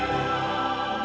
tidak ada yang bisa menghidupku